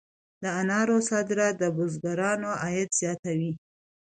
د انارو صادرات د بزګرانو عاید زیاتوي.